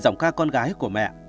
giọng ca con gái của mẹ